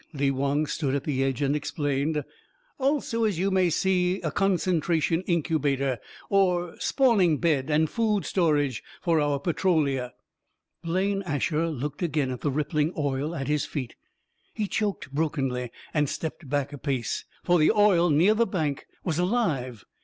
Lee Wong stood at the edge and explained. "Also, as you may see, a concentration incubator, or spawning bed and food storage for our Petrolia." Blaine Asher looked again at the rippling oil at his feet. He choked brokenly and stepped back a pace. For the oil near the bank was alive!